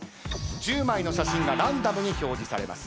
１０枚の写真がランダムに表示されます